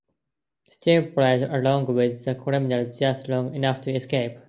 Steve plays along with the criminals just long enough to escape.